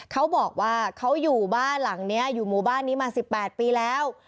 เขาบอกว่าเขาอยู่บ้านหลังนี้อยู่หมู่บ้านนี้มา๑๘ปีแล้ว